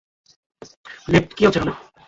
Net, কী হচ্ছে ওখানে?